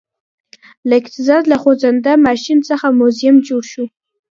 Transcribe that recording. له اقتصاد له خوځنده ماشین څخه موزیم شو